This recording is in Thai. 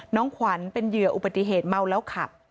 น้องขวัญเป็นเหยื่ออุบัติเหตุเมาแล้วขับ